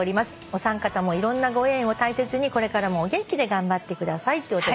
「お三方もいろんなご縁を大切にこれからもお元気で頑張ってください」ってお手紙頂きました。